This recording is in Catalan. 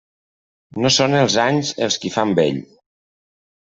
No són els anys els qui fan vell.